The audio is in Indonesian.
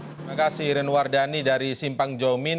terima kasih irin wardani dari simpang jomin